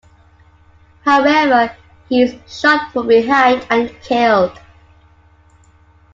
However, he is shot from behind and killed.